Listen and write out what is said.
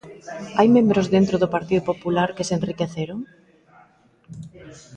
¿Hai membros dentro do Partido Popular que se enriqueceron?